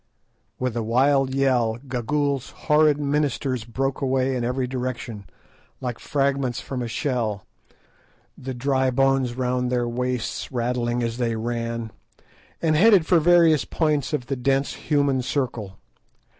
_" With a wild yell Gagool's horrid ministers broke away in every direction, like fragments from a shell, the dry bones round their waists rattling as they ran, and headed for various points of the dense human circle.